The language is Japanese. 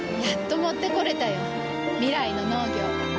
やっと持ってこれたよ。未来の農業。